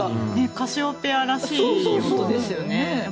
カシオペアらしい音ですよね。